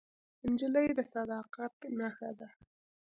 نجلۍ د صداقت نښه ده.